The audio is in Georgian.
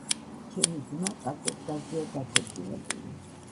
ჩემი ძმა პაკოს დაზეა დაქორწინებული.